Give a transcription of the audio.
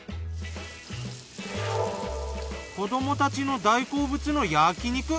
子どもたちの大好物の焼き肉。